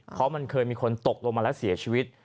เพราะมันเคยมีคนตกลงมาแล้วเสียชีวิต